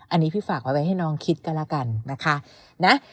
อันนี้พี่ฝากไว้ให้น้องคิดก็แล้วกันนะคะ